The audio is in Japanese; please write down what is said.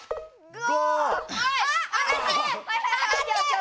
５！